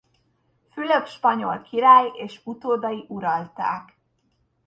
Fülöp spanyol király és utódai uralták.